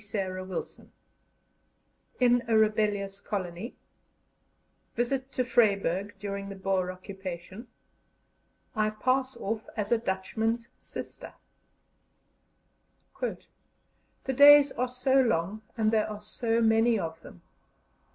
CHAPTER VII IN A REBELLIOUS COLONY VISIT TO VRYBURG DURING THE BOER OCCUPATION I PASS OFF AS A DUTCHMAN'S SISTER "The days are so long, and there are so many of them."